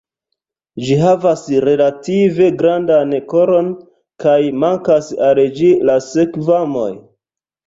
Ĝi havas relative grandan koron kaj mankas al ĝi la skvamoj.